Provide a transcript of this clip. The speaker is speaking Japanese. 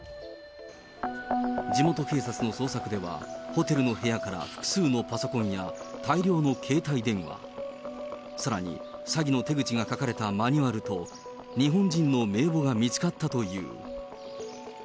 地元警察の捜索では、ホテルの部屋から複数のパソコンや大量の携帯電話、さらに詐欺の手口が書かれたマニュアルと、日本人の名簿が見つかったという。